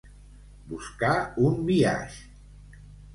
Buscar un biaix.